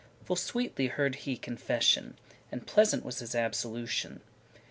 Full sweetely heard he confession, And pleasant was his absolution.